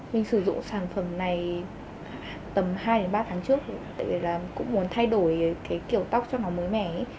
mình sử dụng sản phẩm này tầm hai ba tháng trước tại vì là cũng muốn thay đổi cái kiểu tóc cho nó mới mẻ